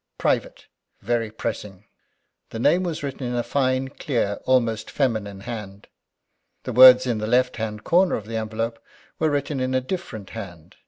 "Private! "Very Pressing!!!" The name was written in a fine, clear, almost feminine hand. The words in the left hand corner of the envelope were written in a different hand.